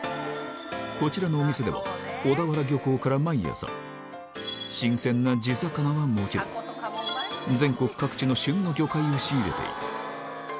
こちらのお店では、小田原漁港から毎朝、新鮮な地魚はもちろん、全国各地の旬の魚介を仕入れている。